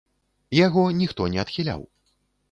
Яго ніхто не адхіляў.